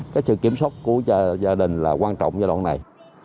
cái sự kiểm soát của gia đình là quan trọng giai đoạn này